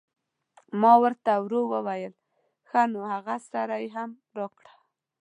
ما ور ته ورو وویل: ښه نو هغه سر یې هم راکړه.